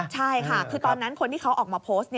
ใช่ค่ะคือตอนนั้นคนที่เขาออกมาโพสต์